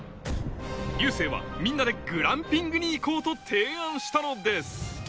流星はみんなでグランピングに行こうと提案したのです・